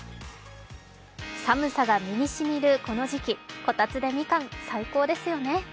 寒さが身にしみるこの時期、こたつでみかん、最高ですよね。